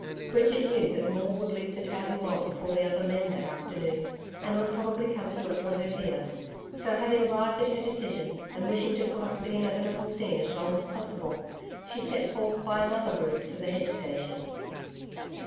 Bridget knew that Maule would leave the tailing mob before the other men that afternoon, and would probably come to look for her here. So having arrived at her decision and wishing to put off the inevitable scene as long as possible, she set forth by another route for the head station.